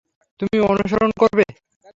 তুমি অনুসরন করবে?